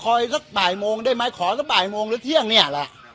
อีกสักบ่ายโมงได้ไหมขอสักบ่ายโมงหรือเที่ยงเนี่ยแหละ